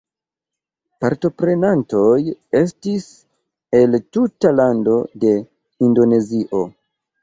Partoprenantoj estis el tuta lando de Indonezio.